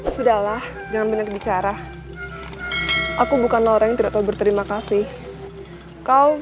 sudahlah jangan banyak bicara aku bukan orang yang tidak tahu berterima kasih kau